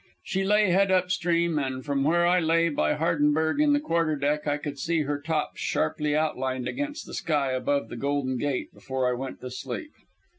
She lay head up stream, and from where I lay by Hardenberg on the quarterdeck I could see her tops sharply outlined against the sky above the Golden Gate before I went to sleep.